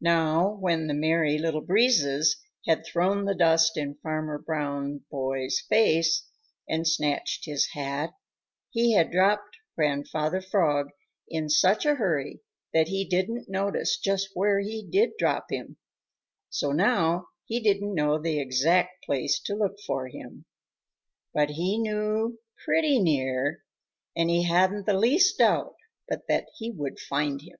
Now when the Merry Little Breezes had thrown the dust in Farmer Brown's boy's face and snatched his hat, he had dropped Grandfather Frog in such a hurry that he didn't notice just where he did drop him, so now he didn't know the exact place to look for him. But he knew pretty near, and he hadn't the least doubt but that he would find him.